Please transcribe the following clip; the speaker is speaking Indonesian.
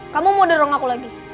kamu mau dirong aku lagi